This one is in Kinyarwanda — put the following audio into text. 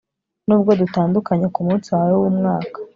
nubwo dutandukanye kumunsi wawe wumwaka